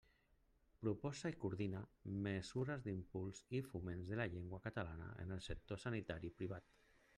Proposa i coordina mesures d'impuls i foment de la llengua catalana en el sector sanitari privat.